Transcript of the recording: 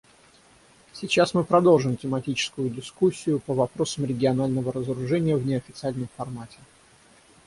Сейчас мы продолжим тематическую дискуссию по вопросам регионального разоружения в неофициальном формате.